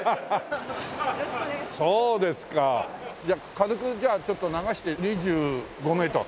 軽くじゃあちょっと流して２５メーター。